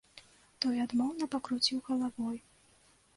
Той адмоўна пакруціў галавой.